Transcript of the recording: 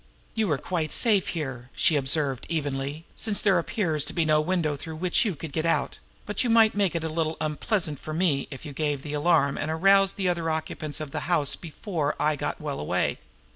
"You are quite safe here," she observed evenly, "since there appears to be no window through which you could get out; but you might make it a little unpleasant for me if you gave the alarm and aroused the other occupants of the house before I had got well away.